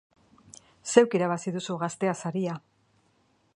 Zeuk irabazi duzu Gaztea saria!